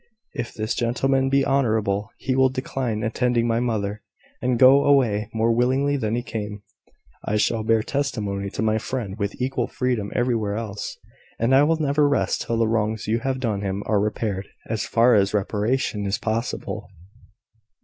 If this gentleman be honourable, he will decline attending my mother, and go away more willingly than he came. I shall bear testimony to my friend with equal freedom everywhere else; and I will never rest till the wrongs you have done him are repaired as far as reparation is possible."